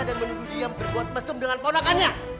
dan menunggu dia berbuat mesum dengan ponakannya